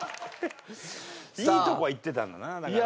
いいとこはいってたんだなだから。